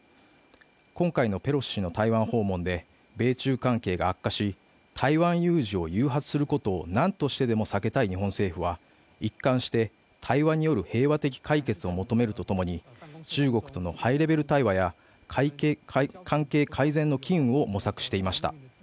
今回のペロシ氏の台湾訪問で米中関係が悪化し台湾有事を誘発する事をなんとしてでも避けたい日本政府は一貫して対話による平和的解決を求めるとともに中国とのハイレベル対話や関係改善の機運を模索していました